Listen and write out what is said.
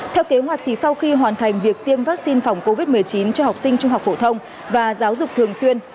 theo kế hoạch thì sau khi hoàn thành việc tiêm vaccine phòng covid một mươi chín cho học sinh trung học phổ thông và giáo dục thường xuyên